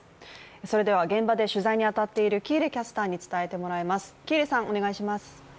それでは現場で取材に当たっている喜入キャスターに伝えてもらいます。